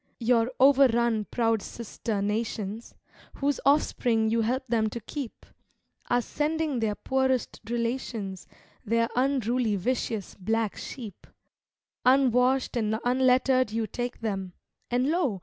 Your overrun proud sister nations, Whose offspring you help them to keep, Are sending their poorest relations, Their unruly vicious black sheep; Unwashed and unlettered you take them, And lo!